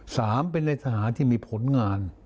สามเป็นในทหารที่มีผลงาน